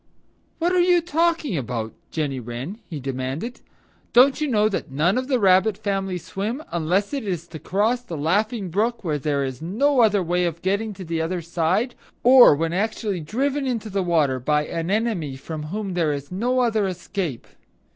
"What are you talking about, Jenny Wren?" he demanded. "Don't you know that none of the Rabbit family swim unless it is to cross the Laughing Brook when there is no other way of getting to the other side, or when actually driven into the water by an enemy from whom there is no other escape?